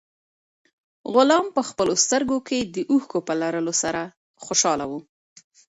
غلام په خپلو سترګو کې د اوښکو په لرلو سره خوشاله و.